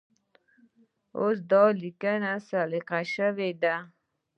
اوس دا لیکنه صیقل شوې ده.